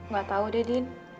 gak tau deh din